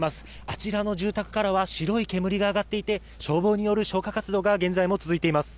あちらの住宅からは、白い煙が上がっていて、消防による消火活動が現在も続いています。